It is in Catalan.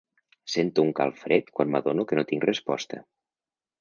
Sento un calfred quan m'adono que no tinc resposta.